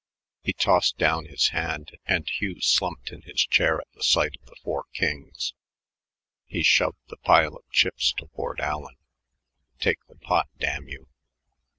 He tossed down his hand, and Hugh slumped in his chair at the sight of the four kings. He shoved the pile of chips toward Allen. "Take the pot, damn you.